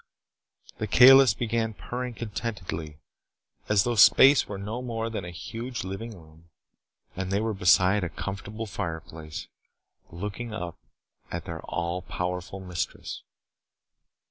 The Kalis began purring contentedly, as though space were no more than a huge living room, and they were beside a comfortable fireplace, looking up at their all powerful mistress.